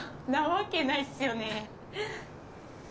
なわけないっすよね。